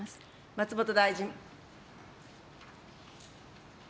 松本大臣。